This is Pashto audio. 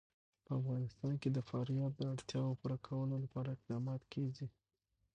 په افغانستان کې د فاریاب د اړتیاوو پوره کولو لپاره اقدامات کېږي.